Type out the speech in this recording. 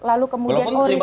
lalu kemudian originalitas